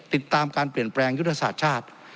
ติดตามการเปลี่ยนแปลงยุทธศาสตร์ชาติ